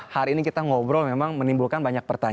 memang hari ini kita ngobrol memang menimbulkan banyak kesalahan